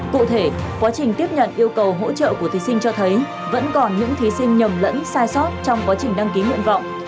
cụ thể quá trình tiếp nhận yêu cầu hỗ trợ của thí sinh cho thấy vẫn còn những thí sinh nhầm lẫn sai sót trong quá trình đăng ký nguyện vọng